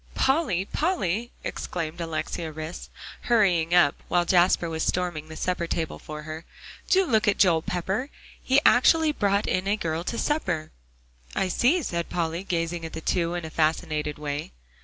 "Polly, Polly," exclaimed Alexia Rhys, hurrying up, while Jasper was storming the supper table for her, "do look at Joel Pepper! He actually brought in a girl to supper!" "I see," said Polly, gazing at the two in a fascinated way.